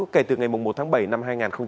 kể từ ngày một tháng bảy năm hai nghìn hai mươi